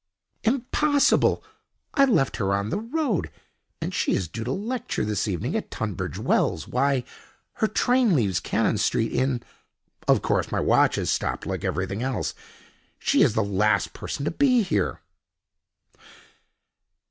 "Impossible! I left her on the road, and she is due to lecture this evening at Tunbridge Wells. Why, her train leaves Cannon Street in—of course my watch has stopped like everything else. She is the last person to be here."